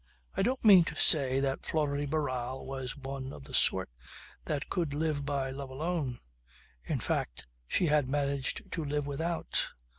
"I don't mean to say that Flora de Barral was one of the sort that could live by love alone. In fact she had managed to live without.